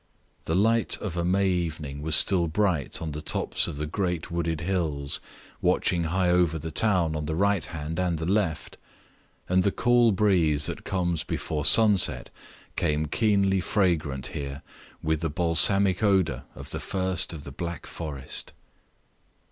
The light of a May evening was still bright on the tops of the great wooded hills watching high over the town on the right hand and the left; and the cool breeze that comes before sunset came keenly fragrant here with the balsamic odor of the first of the Black Forest.